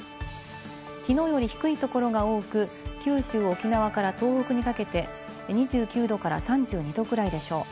きのうより低いところが多く、九州、沖縄から東北にかけて２９度から３２度ぐらいでしょう。